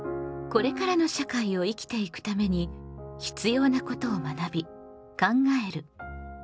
これからの社会を生きていくために必要なことを学び考える「公共」。